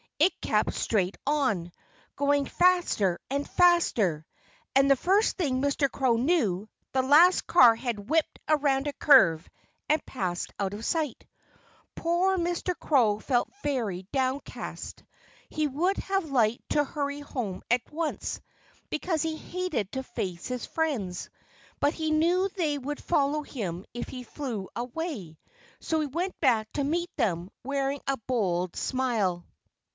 It kept straight on, going faster and faster. And the first thing Mr. Crow knew, the last car had whipped around a curve and passed out of sight. Poor Mr. Crow felt very downcast. He would have liked to hurry home at once, because he hated to face his friends. But he knew they would follow him if he flew away. So he went back to meet them, wearing a bold smile.